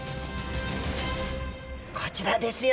こちらですよ